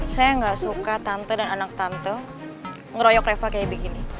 saya nggak suka tante dan anak tante ngeroyok reva kayak begini